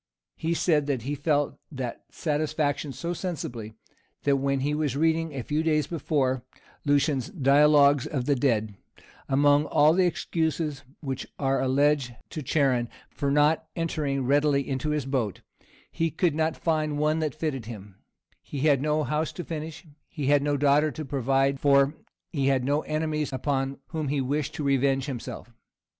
He said that he felt that satisfaction so sensibly, that when he was reading, a few days before, Lucian's Dialogues of the Dead, among all the excuses which are alleged to Charon for not entering readily into his boat, he could not find one that fitted him: he had no house to finish, he had no daughter to provide for he had no enemies upon whom he wished to revenge himself.